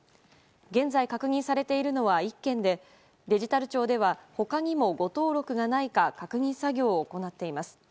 現在確認されているのは１件でデジタル庁では、他にも誤登録がないか確認作業を行っています。